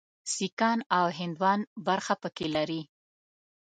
سیکهان او هندوان برخه پکې لري.